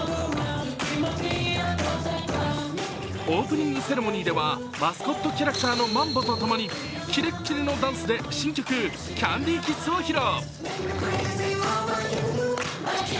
オープニングセレモニーではマスコットキャラクターのマンボとともにキレッキレのダンスで新曲「ＣａｎｄｙＫｉｓｓ」を披露。